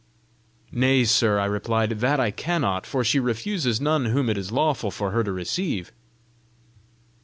"Nay, sir," I replied, "that I cannot; for she refuses none whom it is lawful for her to receive."